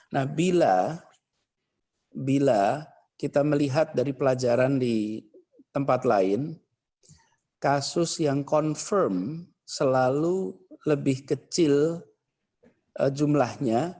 nah bila kita melihat dari pelajaran di tempat lain kasus yang confirm selalu lebih kecil jumlahnya